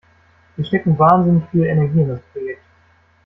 Sie stecken wahnsinnig viel Energie in das Projekt.